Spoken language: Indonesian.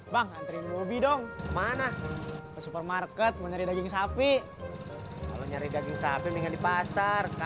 bang antri bobby dong mana supermarket mencari daging sapi daging sapi di pasar